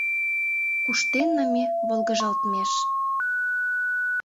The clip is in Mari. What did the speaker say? Куштенна ме волгыжалтмеш